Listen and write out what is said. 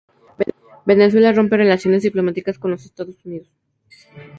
Venezuela rompe relaciones diplomáticas con los Estados Unidos.